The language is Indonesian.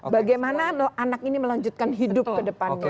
bagaimana anak ini melanjutkan hidup kedepannya